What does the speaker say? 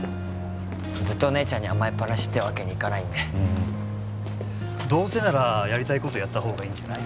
ずっと姉ちゃんに甘えっぱなしってわけにいかないんでどうせならやりたいことやった方がいいんじゃない？